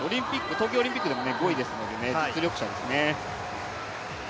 東京オリンピックでも５位に入っていますから実力者ですね。